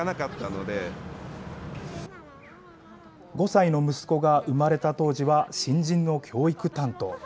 ５歳の息子が産まれた当時は、新人の教育担当。